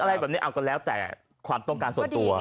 อะไรแบบนี้เอาก็แล้วแต่ความต้องการส่วนตัว